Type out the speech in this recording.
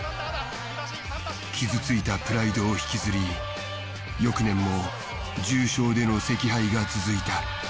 傷ついたプライドを引きずり翌年も重賞での惜敗が続いた。